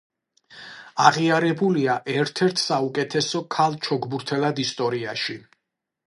აღიარებულია ერთ-ერთ საუკეთესო ქალ ჩოგბურთელად ისტორიაში.